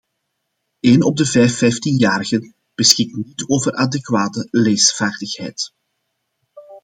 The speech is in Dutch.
Een op de vijf vijftienjarigen beschikt niet over adequate leesvaardigheid.